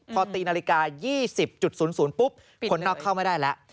พอตีนาฬิกา๒๐๐ปุ๊บคนนอกเข้าไม่ได้แล้ว